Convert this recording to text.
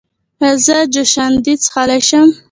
ایا زه جوشاندې څښلی شم؟